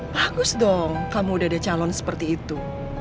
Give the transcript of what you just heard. bagus dong kamu udah ada calon seperti itu